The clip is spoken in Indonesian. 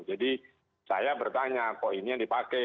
jadi saya bertanya kok ini yang dipakai